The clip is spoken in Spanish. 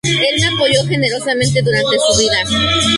Él me apoyó generosamente durante su vida".